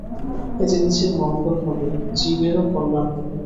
এতে নিজের মঙ্গল হবে, জীবেরও কল্যাণ হবে।